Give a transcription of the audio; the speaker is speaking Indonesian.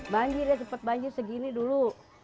banjir ya cepat banjir segini dulu